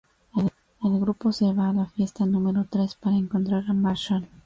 El grupo se va a la fiesta número tres para encontrar a Marshall.